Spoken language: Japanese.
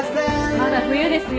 まだ冬ですよ。